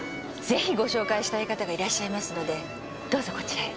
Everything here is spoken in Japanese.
ぜひご紹介したい方がいらっしゃいますのでどうぞこちらへ。